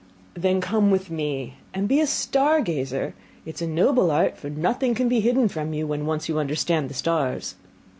'Then come with me, and be a star gazer. It is a noble art, for nothing can be hidden from you, when once you understand the stars.